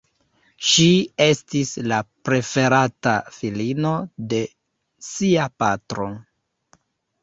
Ŝi estis la preferata filino de sia patro.